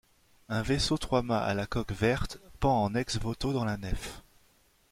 Un vaisseau trois-mâts à la coque verte pend en ex-voto dans la nef.